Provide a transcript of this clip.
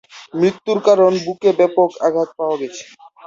মৃত্যুর কারণ বুকে ব্যাপক আঘাত পাওয়া গেছে।